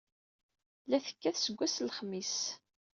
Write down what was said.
La tekkat seg wass n lexmis.